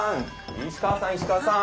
石川さん石川さん！